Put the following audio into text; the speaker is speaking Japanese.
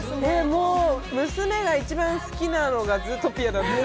もう娘が一番好きなのが『ズートピア』なんです。